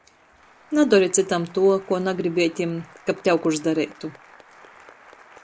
Nadori cytam tuo, kuo nagribietim, kab tev kurs dareitu!